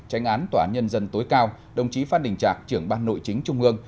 tranh án tòa án nhân dân tối cao đồng chí phan đình trạc trưởng ban nội chính trung ương